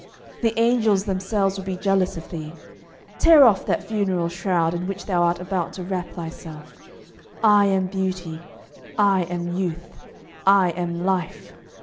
The angels themselves will be jealous of thee. Tear off that funeral shroud in which thou art about to wrap thyself. I am Beauty, I am Youth, I am Life.